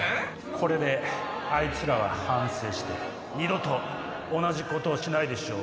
これであいつらは反省して二度と同じことをしないでしょう。